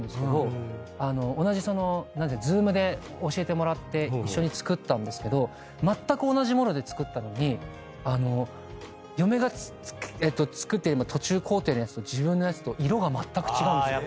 同じＺｏｏｍで教えてもらって一緒に造ったんですけどまったく同じ物で造ったのに嫁が造って今途中工程のやつと自分のやつと色がまったく違うんですよ。